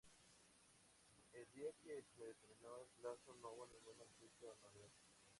El día en que se terminó el plazo, no hubo ninguna noticia o novedad.